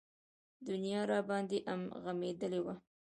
دنيا راباندې غمېدلې وه.